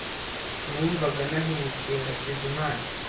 Numvaga nahemukiye Hakizimana .